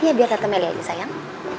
ya biar tante melly aja sayang